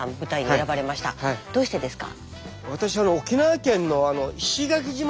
どうしてですか？